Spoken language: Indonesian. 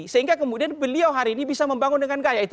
sehingga kemudian beliau hari ini bisa membangun dengan gaya itu